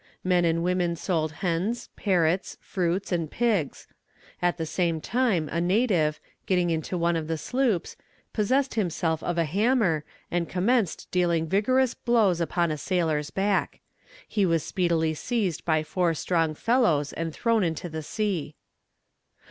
Men and women sold hens, parrots, fruits, and pigs. At the same time a native, getting into one of the sloops, possessed himself of a hammer, and commenced dealing vigorous blows upon a sailor's back. He was speedily seized by four strong fellows, and thrown into the sea.